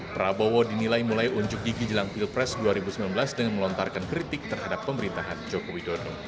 prabowo dinilai mulai unjuk gigi jelang pilpres dua ribu sembilan belas dengan melontarkan kritik terhadap pemerintahan joko widodo